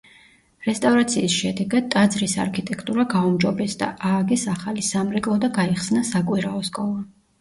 რესტავრაციის შედეგად ტაძრის არქიტექტურა გაუმჯობესდა, ააგეს ახალი სამრეკლო და გაიხსნა საკვირაო სკოლა.